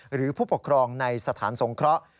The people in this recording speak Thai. หรือผู้ปกครองในสถานสงเคราะห์